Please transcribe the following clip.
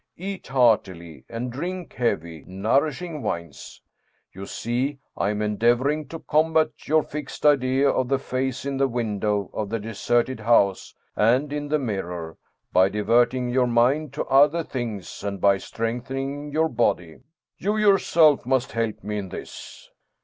Eat heartily, and drink heavy, nourishing wines. You see I am endeavoring to combat your fixed idea of the face in the window of the deserted house and in the mirror, by diverting your mind to other things, and by strengthening your body. You yourself must help me in this."